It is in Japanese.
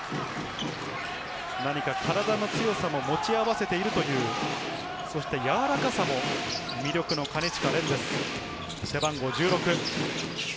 何か体の強さも持ち合わせているという、そして、柔らかさも魅力の金近。